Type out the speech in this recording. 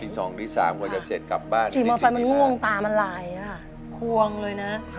ทีสองทีสามกว่าจะเสร็จกลับบ้านทีสี่สี่สามค่ะค่ะควงเลยนะ